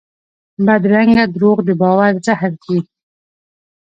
بدرنګه دروغ د باور زهر دي